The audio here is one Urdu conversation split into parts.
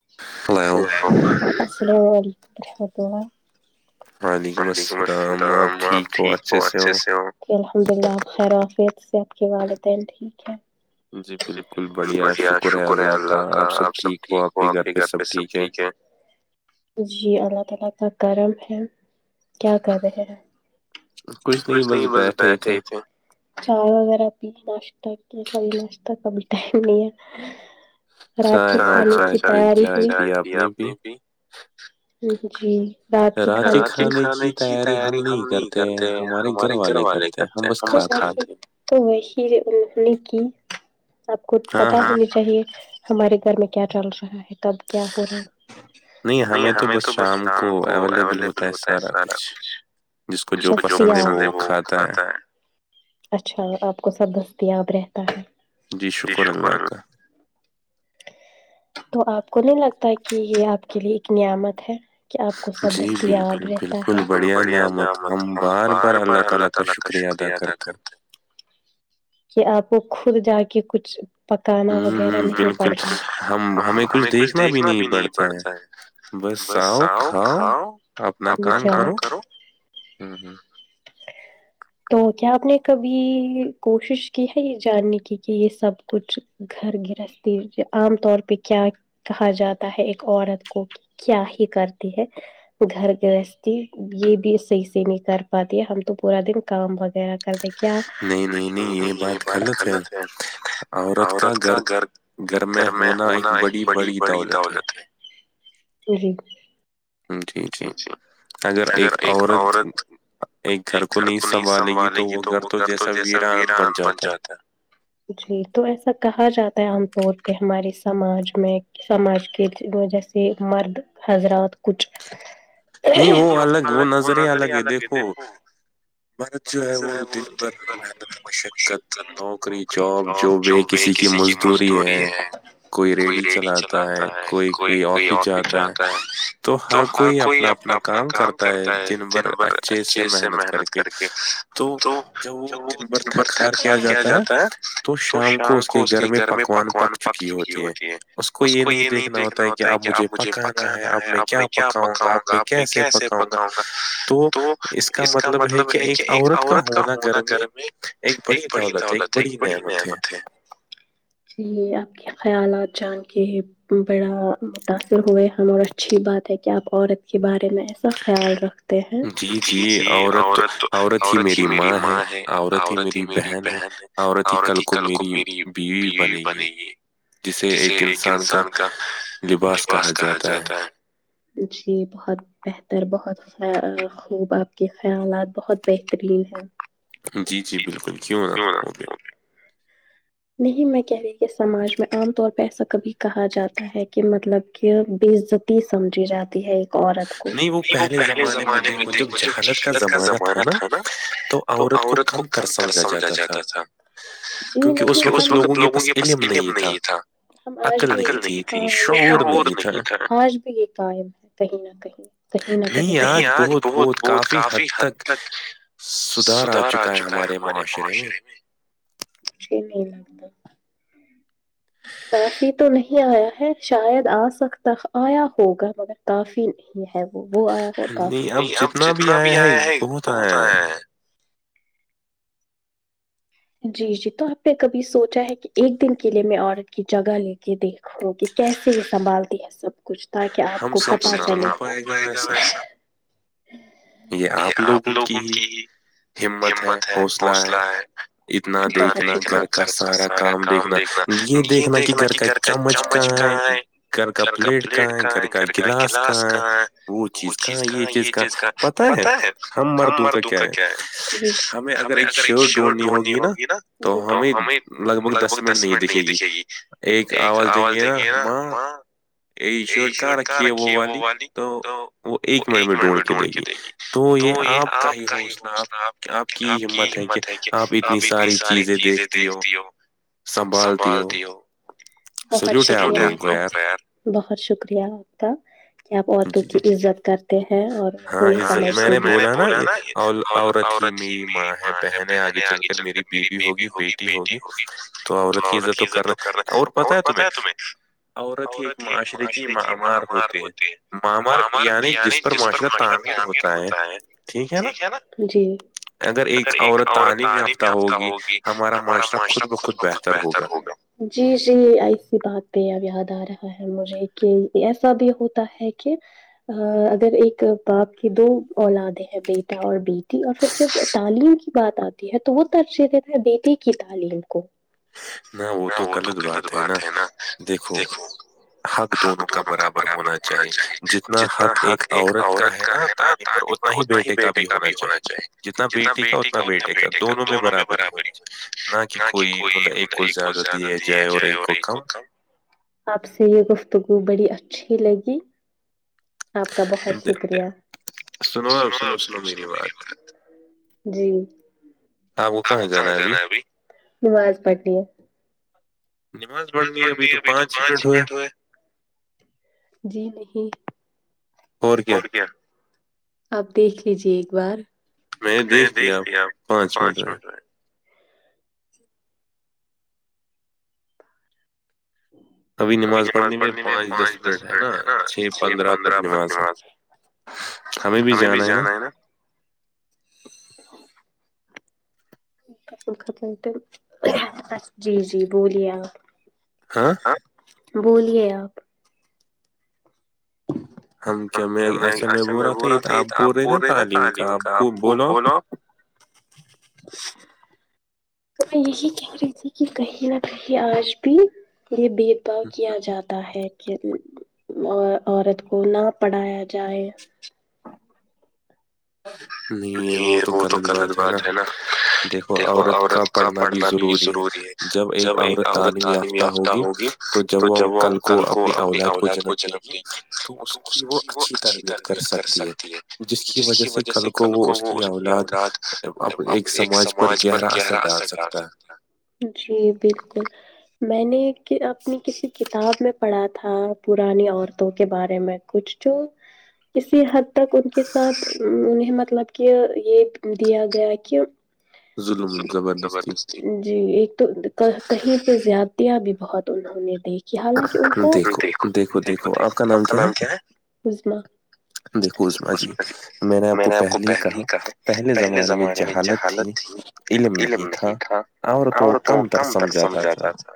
للہ وعلیکم السلام آپ ٹھیک ہو اچھے سے ہو الحمدلہ خیرافیت سے آپ کی والدین ٹھیک ہے جی بالکل بڑھیا شکر ہے اللہ کا آپ سب ٹھیک ہو آپ کے گھر پہ سب ٹھیک ہے جی اللہ تعالی کا کرم ہے کیا کر رہے کچھ نہیں بس بیٹھے ہی تھے چائے وغہ پیاشہ کیشہ کا ٹم نہیں ہے رات نے بھی جی بات کی کاں کہ کھانے کی تیاری ہم نہیں کرتے ہمارے گھر والے کرتے ہیں ہم بس کھاتے تو وہی انہوں نے کی آپ کو پتا ہونا چاہیے ہمارے گھر میں کیا چل رہا ہے تب کیا ہو رہا ہے نہیں ہمیں تو بس شام کو اویلیبل ہوتا سارا کچھ جس کو جو پسند ہے وہ کھاتا ہے اچھا آپ کو سب دستیاب رہتا ہے جی شک تو آپ کو نہیں لگتا کہ یہ آپ کے لیے ایک نعمت ہے کہ آپ کو سب دیا بالکل بڑھیا نعمت ہم بار بار اللہ تعالی کا شکریہ ادا کرتے کہ آپ وہ خود جا کے کچھ پکانا وغیرہ نہیں ہمیں کچھ دیکھنا بھی نہیں پڑتا ہے بس آؤ کاؤ اپنا کام کرو ج تو کیا آپ نے کبھی کوشش کی ہے یہ جاننے کی کہ یہ سب کچھ گھر گرہستی عام طور پہ کیا کہا جاتا ہے ایک عورت کو کیا ہی کرتی ہے گھر گ یہ بھی صحیح سے نہیں کر پاتی ہے ہم تو پورا دن کام وغیرہ کر د نہیں نہیں نہیں یہ بات غلط ہے عورت کا گھر گھر میں ہونا ایک بڑی بڑی دولت ہے جی جی اگر ایک عورت ایک گھر کو نہیں سنبھالے گی تو وہ گھر تو جیسا ویران بن جاتا ہے جی تو ایسا کہا جاتا ہے عام طور پہ ہمارے سماج میں سماج کے جیسے مرد حضرات کچھ الگ وہ نظر الگ ہے دیکھو م سے ہے وہ دن بھر مت کوشق نوکری جاب جواب وہ کسی کی مزدوری ہے کوئی ریڑی چلاتا ہے کوئی کوئی آفس جاتا تو تو ہر کوئی اپ اپنا اپنا کام کرتا ہے دن بھر اچھے سے محنت کر کے تو جب وہ دن بھر تھکار کیا جاتا ہے تو شام کو اس کے گھر میں پکوان پک چکی ہوتی ہے اس کو یہ نہیں دیکھنا ہوتا ہے کہ اب مجھے پکانا ہے اب میں کیا پکا ہوں گا آپ کیسے پکاؤں گا تو اس کا مطلب ہے کہ ایک عورت کا ہونا گھر میں ایک بڑی دولت ایک بڑی نعمت ہے جی آپ کے خیالات جان کے ہیں بڑا متاثر ہوئے ہم اور اچھی بات ہے کہ کیا آپ عورت کے بارے میں ایسا خیال رکھ جی جی عورت عورت ہی میری ماں ہے عورت ہی میری بہن ہے عورت ہی کل کو میری بیوی بن ہے جسے ایک انسان کا لباس کہا جاتا ہے جی بہت بہتر بہت خ خوب آپ کے خیالات بہت بہترین ہے جی جی بالکل کیوں نہ ہو گے نہیں میں کہہ رہی کہ سماج میں عام طور پہ ایسا کبھی کہا جاتا ہے کہ مطلب کہ بے عزت سمجھی جاتی ہے عت کو وہ پہلے زمانے میں دیکھو جو جہلت کا زمانہ تھا نا تو عورت کو کم تر سمجھا جاتا تھا نہیں کیونکہ اس وقت لوگوں کے پاس علم نہیں تھا ہم آج بھی نہیںے یہ نہیں تھا آج بھی یہ قائم ہے کہیں نہ کہیں نہیں آج بہت بہت کافی حد تک سدار آ چکا ہے ہمارے معاشرے میں نہیں لگتا کافی تو نہیں آیا ہے شاید آ سکتا آیا ہوگا مگر کافی نہیں ہے وہ وہ آیا کافی نہیں اب جتنا بھی آیا ہے بہت آیا ہے جی جی تو آپ نے کبھی سوچا ہے کہ ایک دن کے لیے میں عورت کی جگہ لے کے دیک ہوگی کیسے یہ سنبھالتی ہے سب کچھ تھا کہ آپ کو پت چلنا ہو پائے گا ویسا یہ آپ لوگوں کی ہی ہمت ہے حوصلہ ہے اتنا دیکھنا گھر کا سارا کام دیکھنا یہ دیکھنا کہ گھر کا چمچک ہے گھر کا پلیٹ کہاں ہے گھر کا گلاس کہاں ہے وہ چیز کہاں یہ چیز کہاں پت ہے ہم مردوں کا کیا ہے ہمیں اگر ایک شرٹ ڈڑنی ہوگی نا تو ہمیں لگ بھگ دس منٹ نہیں دکھے گی ایک آواز دیں گے ہے نا ماں یہ شرٹ کہاں رکھی ہے وہ والی تو وہ ایک منٹ میں ڈھونڈ کے دے گی تو یہ آپ کا ہی حوصلہ آپ آپ کی ہمت ہے کہ آپ اتنی ساری چیزیں دیکھتی ہو سنبھالتی ہ بہت لوگ بہت شکریہ آپ کا کہ آپ عورتوں کی عزت کر میں نے بولا نا عورت ہی میری ماں ہے بہن آگے چل کر میری بیوی ہوگی بیٹی ہوگی تم عورت کی عزت تو کر رہے اور پتایا تمہیں اور ٹھیک ایک معاشر کی معمار ہوتے معمار بانی جس پر معاشرہ تعمیر ہوتا ہے ٹھیک ہے نا جی اگر ایک اور تعلیم یافتہ ہوگی ہمارا معاشرہ خود بخود بہتر ہوگا جی جی ایسی بات نہیںہ اب یاد آ رہا مجھے کہ ایسا بھی ہوتا ہے کہ اگر ایک باپ کی دو اولادیں ہیں بیٹا اور بیٹی اور پھر جب تعلیم بات آتی ہے تو وہ ترجیح دیتا ہے بیٹیے کی تعلیم کو نہ وہ تو غلط بات ہے نا دیکھو حق دونوں کا برابر ہونا چاہیے جتنا حق ایک عورت کا ہے نا تعلیم پر اتنا ہی بیٹے کا بھی ہونا چاہے جتنا بیٹے کا اتنا بیٹے کا دونوں میں برابری ہونی نہ کہ کوئی مطلب ایک کو زیادہ دیا جائے اور ایک کو کم آپ سے یہ گفتگو بڑی اچھی لگی آپ کا بہت شکریہ جی کہاں جانا ہے ابھی نماز پڑھنی ہے آاز پڑھنی ابھی تو پانچ منٹ ہوئے جی نہیں اور کیا آپ دیکھ لیجے ایک بار میں دیکھ ل آپ پانچ جائے ب نماز پڑھنے میں پانچ دس منٹ ہے نا چھ پندرہ بد نماز ہمیں بھی جانا ہے نا جی جی بولیے آپ ہاں بولیے آپ ہم کیا میں اھا میں بو رہا تھا یہ تو آپ بول رہے ن تعلیم کا آپ بولو [unintelligible] تو میں یہی کہہ رہی تھی کہ کہیں نہ کہیں آج بھی یہ بھید بھاؤ کیا جاتا کہ عورت کو نہ پڑھایا جائے نہیں یہ وہ تو غلط بات ہے نا دیکھو عورت کا پڑھنا بھی ضروری ہے جب ایک عورت تعلیم یافتہ ہوگی تو جب وہ کل کو اپنی اولاد کو جنم دے گی تو اس کی وہ اچھی تربیت کر سکتی ہے جس کی وجہ سے کل تو وہ اس کی اولاد ایک سماج پر گہرا اثر ڈال سکتا ہے جی بالکل میں نے اپنی کسی کتاب میں پڑھا تھا پرانی عورتوں کے بارے میں کچھ جو کسی حد اب تک ان کے ساتھ انہیں مطلب کہ یہ دیا گیا کہ سند زبردست جی ایک تو کہیں پہ زیادتیاں بھی بہت انہوں نے دیکھی حالانکہ ان کو دیکھو دیکھو دیکھو آپ کا نام کیا ہے ازما دیکو عثما جی میں نے آپ کو پہ کو پہلے ہی کہا پہلے زمانے میں ج حالت تھی علم نہیں تھا عورتوں کو کم تر سمجھا جات تھا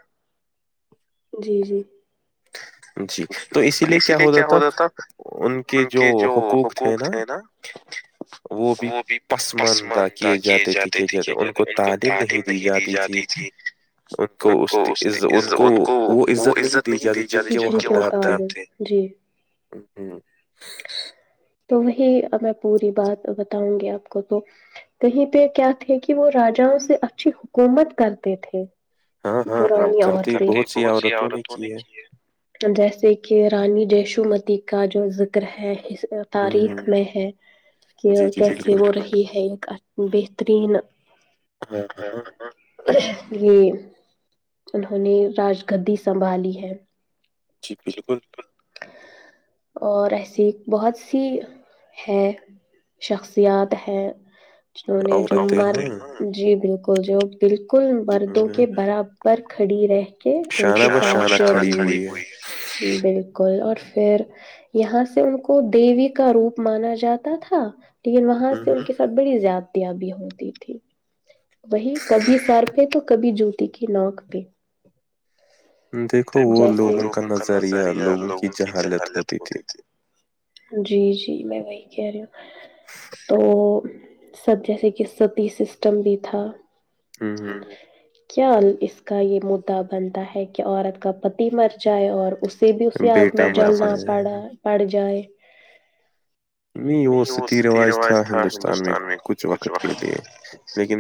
جی جی اسی لیے کیا ہو جات تھا ان کے جو حقوق تھے نا وہ بھی پسماندہ کیے جاتے تھے کی جات ان کو تعلیم نہیں دی جاتی تھی جی ان کو اس ان کو وہ عزت نہیں دی جاتی جن کے وہ حقدار تھے ہ تو وہی میں پوری بات بتاؤں گی آپ کو تو کہیں پہ کیا تھے کہ وہ راجاوں سے اچھی حکومت کرتے تھے پرانی ع کرتی بہت سی عورتوں نے کی ہے جیسے کہ رانی جیشو متی کا جو ذکر ہے تاریخ میں ہے کہ کیسے وہ رہی ہے ایک ا بہترین [unintelligible] یہ انہوں نے راج گدی سنبھالی ہے جی بالکل اور ایسے س بہت سی ہے شخصیات ہیں جو نے جو مر جی بالکل جی وہ بالکل مردوں کے برابر کھڑی رہے ان ج بالکل اور پھر یہاں سے سے ان کو دیوی کا روپ مانا جاتا تھا لیکن وہاں سے ان کے سب بڑی زیادیابی ہوتی تھی وہی کبھی سر پہ تو کبھی جوتی کی نواک پہ دیکھو وہ لوگوں کا نظریہ لوگوں کی ج حالت ہوتی تھی جی جی میں وہی کہہ رہی ہوں تو سب جیسے کہ ستی سسٹم بھی تھا کیا اس کا یہ مدا بنتا ہے کہ عورت کا پتی مر جائے اور اس کے بھی اسی آگ میں جانا پڑا پڑ جائے وہ ستی رواج تھا ہندوستان میں کچھ وقت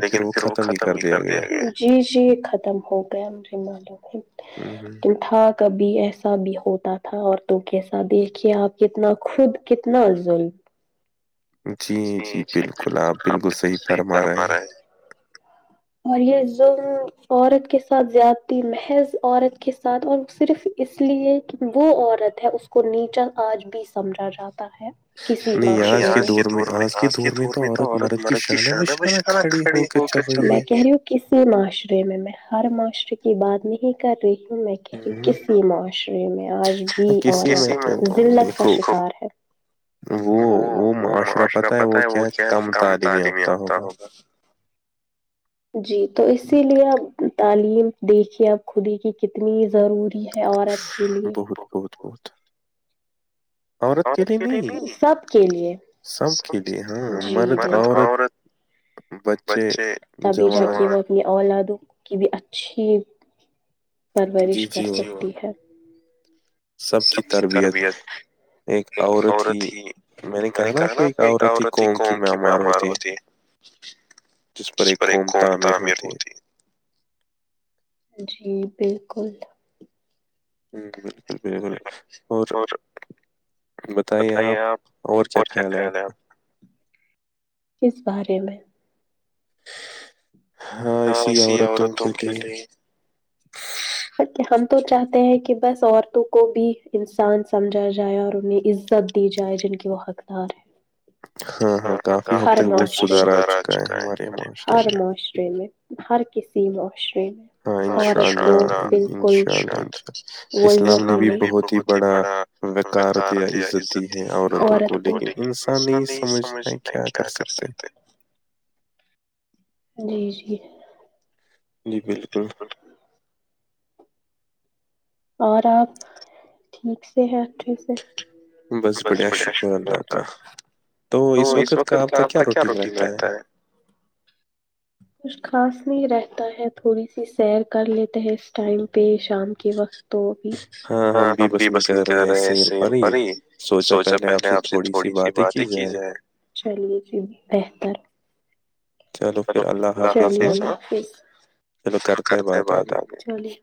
لیکن پھر وہ ختم ہی کر دیا گیا جی جی ختم ہو گیا مجھے معلوم ہے ہوں ہوں تھا کبھی ایسا بھی ہوتا تھا اور تو کیسا دیکھ کہ آپ کتنا خود کتنا ظلم جی جی بالکل آپ بالکل صحیح طربر ہے اور یہ ظلم عورت کے ساتھ زیادتی محض عورت کے ساتھ اور صرف اس لیے کہ وہ عورت ہے اس کو نیچا آج بھی سمجھا جاتا ہے کسی آج کے دور میں آج کے دور میں تو عورت مرد کی شانہ ب ہ نا کھڑی ہو کے چل کسی معاشرے میں میں ہر معاشرے کی بات نہیں کر رہی ہوں میں کسی معاشرے میں آج بھی عورت ذلت کا شکار ہے وہ وہ معاشرہ پتاہ ہے وہ کیا ہے کم تعلیم یافتہ ہو [inaudible] جی تو اسی لیے اب تعلیم دیکھیے اب خود ہی کی کتنی ضروری ہے عورت ج لیے اور سب کے لیے ن اورور بچےبھیی یہ اولادوں کی بھی اچھی پرورش کر سکتی ہے سب کی تربیت ایک عورت ہی میں نے کہا نا آپ کو ایک عورت ہی قوم کی معمار ہوتی ہے جس پر ایک قوم تعمیر ہوتی ہے جی بالکل ہوں بالکل بالکل اور بتائیے آپ اور کیا خیال ہے آپ کا کس بارے میں ہاں اسی اور رہ توں کیٹے ہم تو چاہتے ہیں کہ بس عورتوں کو بھی انسان سمجھا جائے اور انہیں اس سب دی جائے جن کی وہ حقدار ہے ہاں ہاں ہر معاشرے سدار آ چکا ہے ہر معاشرے میں ہر کسی معاشرے میں ہاں انشاء اللہ انشاء اللہ انشاء اللہ اسلام نے بھی بہت ہی بڑا ویکارت یا عزت دی ہے عورتوں کو لیکن انسان نہیں سمجھ پ نہیں کیا کر سکتے جی جی جی بالکل اور آپ ٹھیک سے ہیں اچھے سے بس بڑیا شکری تو اس وقت آپ کا کیا روٹین رہتا ہے کچھ خاص نہیں رہتا ہے تھوڑی سی سیر کر لیتے ہیں اس ٹائم پہ شام کے وقت تو بھی ہاں ہم بھی بس نہیں کر رہے ہیں سیر پر ہی سوچا پہلے آپ سے تھوڑی سی بات ہی چیز ہے چلیے جی بہتر چلو چل کرتے بعد آ گئی